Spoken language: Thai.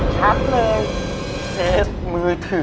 ชัดเลยเพจมือถือ